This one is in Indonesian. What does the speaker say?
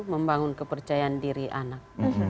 membangun kepercayaan diri anak